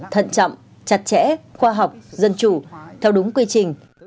thận trọng chặt chẽ khoa học dân chủ theo đúng quy trình